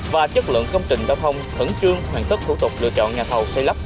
và chất lượng công trình đào thông thẩn chương hoàn tất thủ tục lựa chọn nhà thầu xây lắp